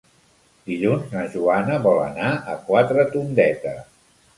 Dilluns na Joana vol anar a Quatretondeta.